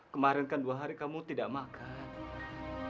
kemarin kan dua hari kamu tidak makan